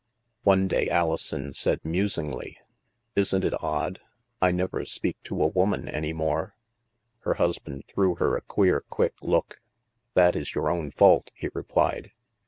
One day Alison said musingly :" Isn't it odd ; I never speak to a woman, any more? " Her husband threw her a queer quick look. " That is your own fault," he replied.